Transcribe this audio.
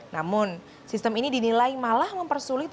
namun sistem ini dinilai malah mempersulit